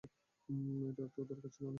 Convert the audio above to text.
এটার তো দরকার ছিল না!